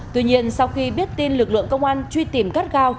tuy nhiên sau khi biết tin lực lượng công an truy tìm các gao